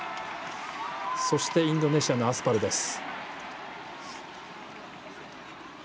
そして、インドネシアのアスパルです。